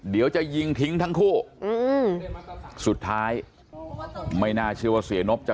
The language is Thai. เดี๋ยวจะยิงทิ้งทั้งคู่อืมสุดท้ายไม่น่าเชื่อว่าเสียนบจะ